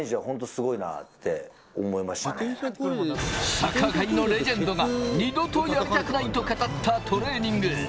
サッカー界のレジェンドが二度とやりたくないと語ったトレーニング。